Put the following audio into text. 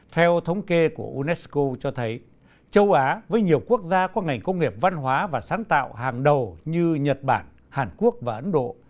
theo thống kê của unesco cho thấy châu á với nhiều quốc gia có ngành công nghiệp văn hóa và sáng tạo hàng đầu như nhật bản hàn quốc và ấn độ